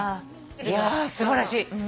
いや素晴らしい！